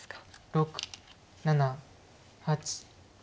６７８。